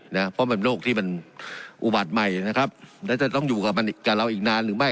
นะเพราะมันโรคที่มันอุบัติใหม่นะครับแล้วจะต้องอยู่กับมันกับเราอีกนานหรือไม่